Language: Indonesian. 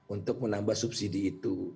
untuk menambah subsidi itu